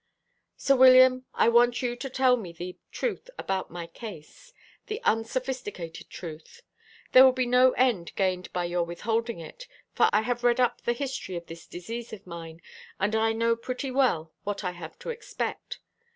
"Sir William, I want you to tell me the truth about my case: the unsophisticated truth. There will be no end gained by your withholding it; for I have read up the history of this disease of mine, and I know pretty well what I have to expect.